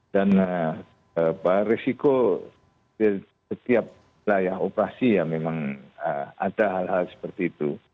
dan beresiko di setiap layar operasi ya memang ada hal hal seperti itu